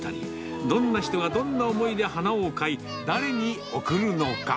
どんな人がどんな思いで花を買い、誰に贈るのか。